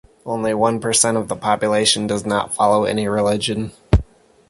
Only one percent of the population does not follow any religion.